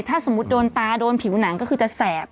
ถ้าสมมุติโดนตาโดนผิวหนังก็คือจะแสบ